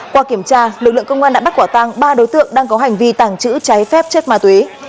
qua kiểm tra lực lượng công an đã bắt quả tàng ba đối tượng đang có hành vi tàng chữ cháy phép chất ma túy